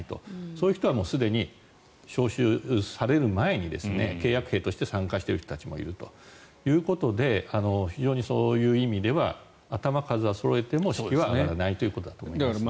そういう人はすでに招集される前に契約兵として参加している人たちもいるということで非常にそういう意味では頭数はそろえても士気は上がらないということだと思いますね。